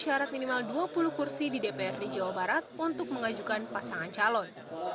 syarat minimal dua puluh kursi di dprd jawa barat untuk mengajukan pasangan calon